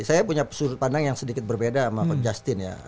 saya punya sudut pandang yang sedikit berbeda sama justin ya